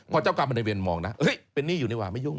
พอเจ้ากรรมมาในเวียนมองนะเป็นหนี้อยู่นี่หว่าไม่ยุ่ง